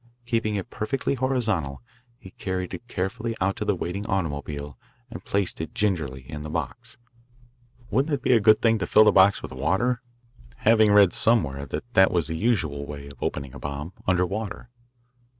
Keeping it perfectly horizontal he carried it carefully out to the waiting automobile and placed it gingerly in the box. "Wouldn't it be a good thing to fill the box with water?" I suggested, having read somewhere that that was the usual way of opening a bomb, under water.